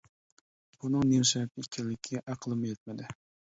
بۇنىڭ نېمە سەۋەبتىن ئىكەنلىكىگە ئەقلىممۇ يەتمىدى.